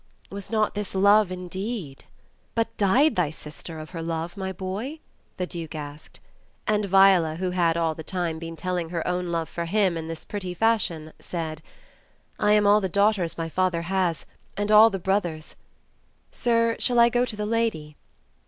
Was not this love indeed?" "But died thy sister of her love, my boy?" the Duke asked; and Viola, who had all the time been telling her own love for him in this pretty fashion, said — "I am all the daughters my father has and all the brothers — Sir, shall I go to the lady?"